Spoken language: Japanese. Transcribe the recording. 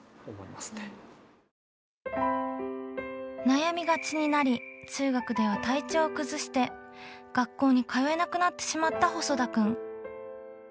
悩みがちになり中学では体調を崩して学校に通えなくなってしまった細田くん。